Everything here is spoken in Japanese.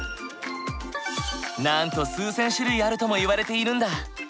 なんと数千種類あるともいわれているんだ。